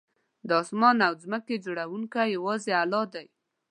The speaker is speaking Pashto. د آسمان او ځمکې جوړونکی یوازې الله دی